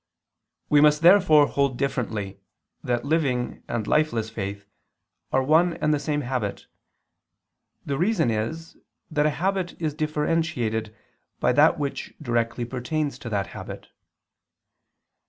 We must therefore hold differently that living and lifeless faith are one and the same habit. The reason is that a habit is differentiated by that which directly pertains to that habit.